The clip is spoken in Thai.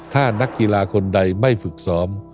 ถ้านักกีฬาคนใดไม่ฝึกซ้อม